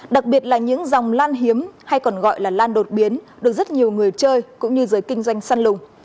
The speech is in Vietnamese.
đặc biệt là những dòng lan hiếm hay còn gọi là lan đột biến được rất nhiều người chơi cũng như giới kinh doanh săn lùng